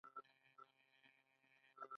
چین د فقر پر وړاندې مبارزه کې بریالی دی.